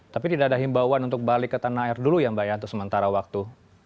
tapi tidak ada himbauan untuk balik ke tanah air dulu ya mbak ya untuk sementara waktu